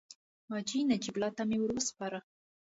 حاجي نجیب الله ته مې ورو سپاره.